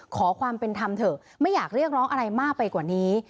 ขอความเป็นธรรมเถอะไม่อยากเรียกร้องอะไรมากไปกว่านี้